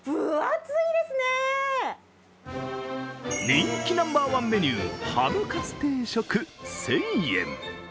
人気ナンバーワンメニューハムカツ定食１０００円。